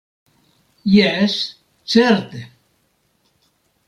Jes, certe.